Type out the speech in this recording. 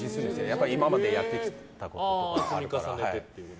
やっぱり今までやってきたことがあるので。